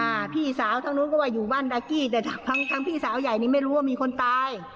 อ่าพี่สาวทั้งนู้นก็ว่าอยู่บ้านดากี้แต่ทั้งทั้งพี่สาวใหญ่นี่ไม่รู้ว่ามีคนตาย